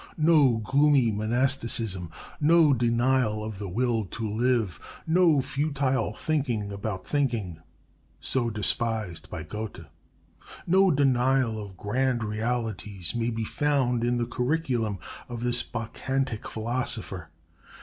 No gloomy monasticism, no denial of the will to live, no futile thinking about thinking so despised by Goethe no denial of grand realities, may be found in the curriculum of this Bacchantic philosopher.